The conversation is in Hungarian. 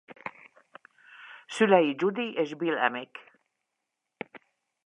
Szülei Judy és Bill Amick.